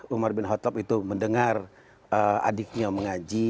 umar bin khattab itu mendengar adiknya mengaji